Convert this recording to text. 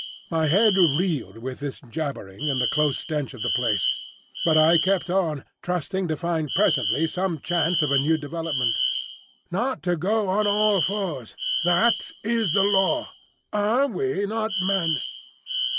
My head reeled with this jabbering and the close stench of the place; but I kept on, trusting to find presently some chance of a new development. "Not to go on all fours; that is the Law. Are we not Men?"